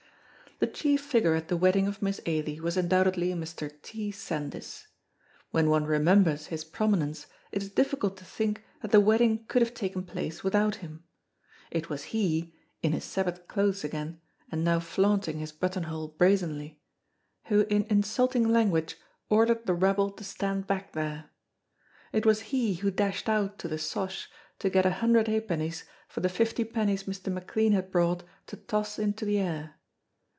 The chief figure at the wedding of Miss Ailie was undoubtedly Mr. T. Sandys. When one remembers his prominence, it is difficult to think that the wedding could have taken place without him. It was he (in his Sabbath clothes again, and now flaunting his buttonhole brazenly) who in insulting language ordered the rabble to stand back there. It was he who dashed out to the 'Sosh to get a hundred ha'pennies for the fifty pennies Mr. McLean had brought to toss into the air.